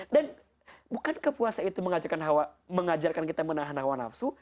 dan bukan kepuasa itu mengajarkan kita menahan hawa nafsu